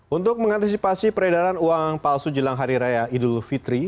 untuk mengantisipasi peredaran uang palsu jelang hari raya idul fitri